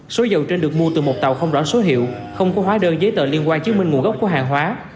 số dầu trên được mua từ một tàu không rõ số hiệu không có hóa đơn giấy tờ liên quan chứng minh nguồn gốc của hàng hóa